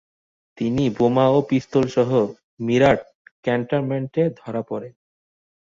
তিনি বোমা ও পিস্তলসহ মীরাট ক্যান্টনমেন্টে ধরা পড়েন।